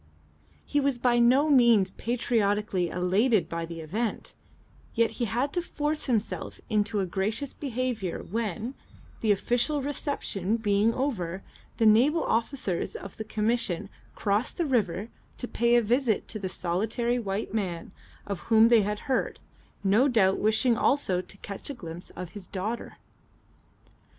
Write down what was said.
He was by no means patriotically elated by the event, yet he had to force himself into a gracious behaviour when, the official reception being over, the naval officers of the Commission crossed the river to pay a visit to the solitary white man of whom they had heard, no doubt wishing also to catch a glimpse of his daughter.